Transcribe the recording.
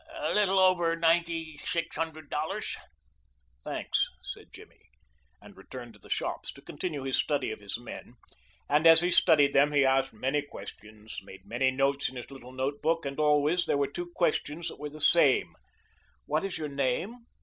"A little over ninety six hundred dollars." "Thanks," said Jimmy, and returned to the shops to continue his study of his men, and as he studied them he asked many questions, made many notes in his little note book, and always there were two questions that were the same: "What is your name?